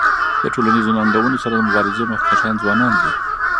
د ټولنیزو ننګونو سره د مبارزې مخکښان ځوانان دي.